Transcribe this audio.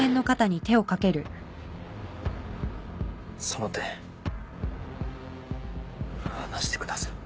その手離してください。